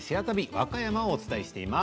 和歌山をお伝えしています。